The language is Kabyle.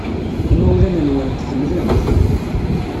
Imawlan-nwent ḥemmlen-t.